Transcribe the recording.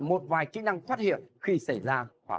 một vài kỹ năng thoát hiện khi xảy ra